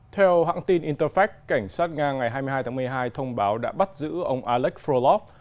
theo hãng tin interfax cảnh sát nga ngày hai mươi hai tháng một mươi hai thông báo đã bắt giữ ông oleg frolov